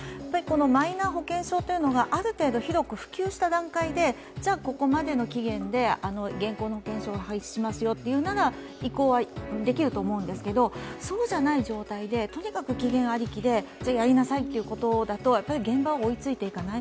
マイナ保険証というのがある程度広く普及した段階でじゃあ、ここまでの期限で現行の保険証を廃止しますよというなら移行はできると思うんですけどそうじゃない状態で、とにかく期限ありきでやりなさいということだと現場は追いついていかない。